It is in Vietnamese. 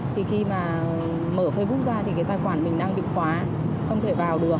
thì khi mà mở facebook ra thì cái tài khoản mình đang bị khóa không thể vào được